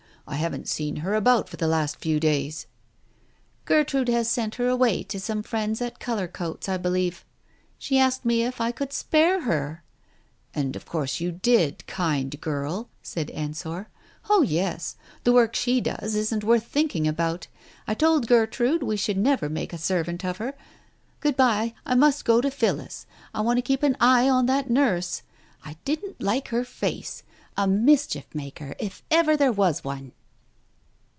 I haven't seen her about for the last few days." M Gertrude has sent her away to some friends at Culler coats, I believe. She asked me if I could spare her ! M "And of course you did, kind girl," said Ensor. "Oh yes. The work she does isn't worth thinking about. I told Gertrude we should never make a servant of her. ... Good bye. I must go to Phillis. I want to keep an eye on that nurse. I didn't like her face. A mischief maker if ever there was one."